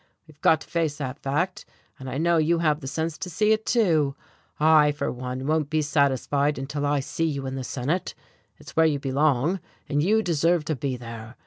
We've got to face that fact, and I know you have the sense to see it, too. I, for one, won't be satisfied until I see you in the Senate. It's where you belong, and you deserve to be there.